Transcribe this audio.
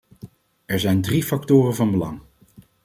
Er zijn drie factoren van belang.